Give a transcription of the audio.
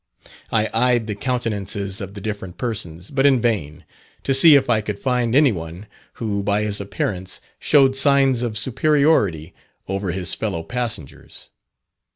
I eyed the countenances of the different persons, but in vain, to see if I could find any one who by his appearance showed signs of superiority over his fellow passengers.